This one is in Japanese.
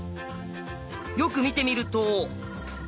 よく見てみると。